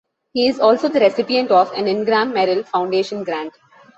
He is also the recipient of an Ingram Merrill Foundation grant.